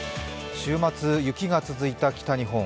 週末、雪が続いた北日本。